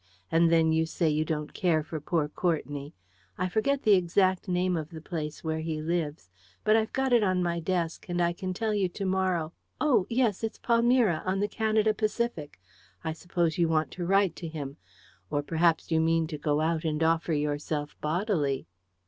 And then you say you don't care for poor Courtenay! I forget the exact name of the place where he lives, but I've got it in my desk, and I can tell you to morrow. Oh, yes; it's Palmyra, on the Canada Pacific. I suppose you want to write to him. Or perhaps you mean to go out and offer yourself bodily."